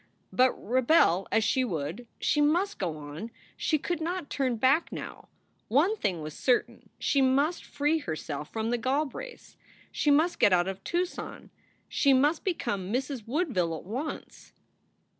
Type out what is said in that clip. But rebel as she would, she must go on. She could not turn back now. One thing was certain she must free herself from the Galbraiths; she must get out of Tucson. She must become Mrs. Woodville at once.